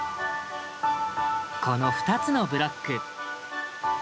この２つのブロック。